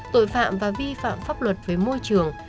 tội phạm và vi phạm pháp luật về môi trường